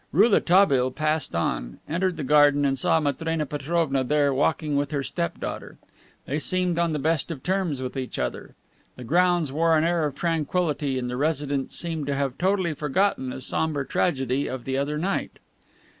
Rouletabille passed on, entered the garden and saw Matrena Petrovna there walking with her step daughter. They seemed on the best of terms with each other. The grounds wore an air of tranquillity and the residents seemed to have totally forgotten the somber tragedy of the other night.